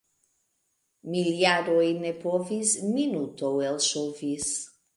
Miljaroj ne povis — minuto elŝovis.